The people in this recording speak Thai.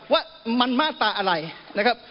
ว่ามันมาตราอะไรนะครับ